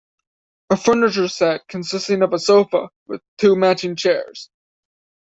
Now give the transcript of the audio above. A furniture set consisting of a sofa with two matching chairs.